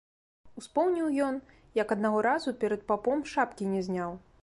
Успомніў ён, як аднаго разу перад папом шапкі не зняў.